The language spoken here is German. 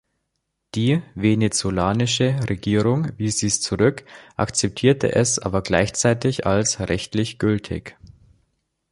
Die venezolanische Regierung wies dies zurück, akzeptierte es aber gleichzeitig als rechtlich gültig.